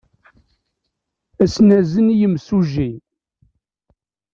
Ad as-nazen i yemsujji?